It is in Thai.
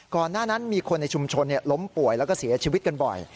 ก่อนหน้านั้นมีคนในชุมชนล้มป่วยแล้วก็เสียชีวิตกันบ่อย